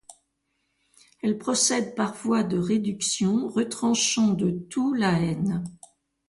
Elle procède par voie de réduction, retranchant de tout la haine.